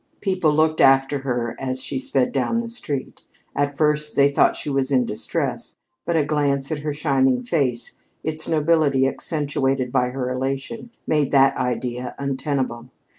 People looked after her as she sped down the street. At first they thought she was in distress, but a glance at her shining face, its nobility accentuated by her elation, made that idea untenable.